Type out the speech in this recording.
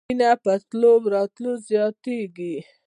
مېنه په تلو راتلو زياتېږي.